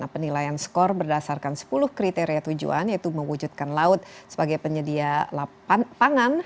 penilaian skor berdasarkan sepuluh kriteria tujuan yaitu mewujudkan laut sebagai penyedia pangan